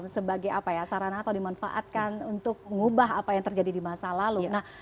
sebagai apa ya sarana atau dimanfaatkan untuk mengubah apa yang terjadi di masa lalu